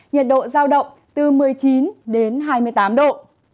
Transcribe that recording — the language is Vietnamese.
nhiệt độ giao động từ một mươi chín đến hai mươi tám độ